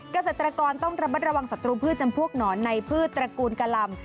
เกษตรกรต้องระมัดระวังศัตรูพืชจำพวกหนอนในพืชตระกูลกะลำ